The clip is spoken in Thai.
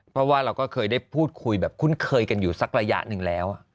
เพราะว่าเราก็เคยได้พูดคุยแบบคุ้นเคยกันอยู่สักระยะหนึ่งแล้ว